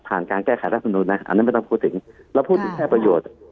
ผ่านการแก้ไขรัฐธรรมนูนนะอันนั้นไม่ต้องพูดถึงเราพูดถึงแค่ประโยชน์